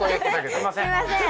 すいません！